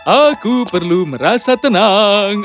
aku perlu merasa tenang